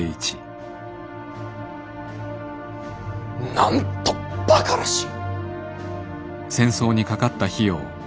なんとバカらしい！